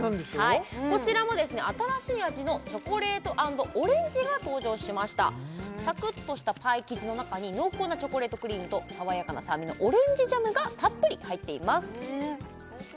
はいこちらも新しい味のチョコレート＆オレンジが登場しましたサクッとしたパイ生地の中に濃厚なチョコレートクリームと爽やかな酸味のオレンジジャムがたっぷり入っています